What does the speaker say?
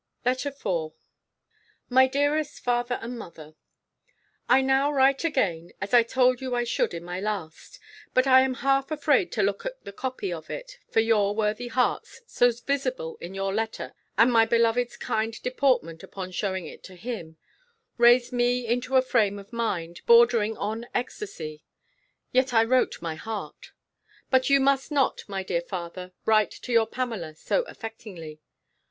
LETTER IV MY DEAREST FATHER AND MOTHER, I now write again, as I told you I should in my last; but I am half afraid to look at the copy of it; for your worthy hearts, so visible in your letter and my beloved's kind deportment upon shewing it to him, raised me into a frame of mind, bordering on ecstasy: yet I wrote my heart. But you must not, my dear father, write to your Pamela so affectingly.